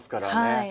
はい。